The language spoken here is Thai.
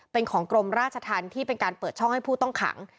เป็นของกรมราชธรรมที่เป็นการเปิดช่องให้ผู้ต้องขัง